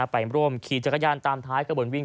ไปร่วมขี่จักรยานตามท้ายกระบวนวิ่ง